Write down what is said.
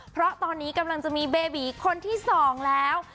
เพราะตอนนี้กำลังจะมีเบบีคนที่๒แล้ว